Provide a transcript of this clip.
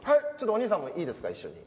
お兄さんもいいですか一緒に。